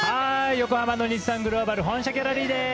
横浜の日産グローバル本社ギャラリーです。